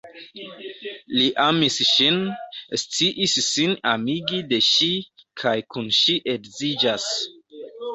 Li amis ŝin, sciis sin amigi de ŝi, kaj kun ŝi edziĝas.